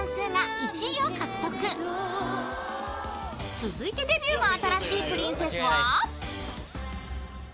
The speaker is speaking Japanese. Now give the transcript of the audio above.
［続いてデビューが新しいプリンセス］